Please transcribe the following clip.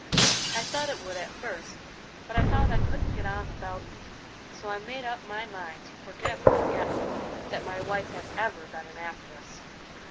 "I thought it would at first, but I found I couldn't get on without you, so I made up my mind to forgive and forget that my wife had ever been an actress."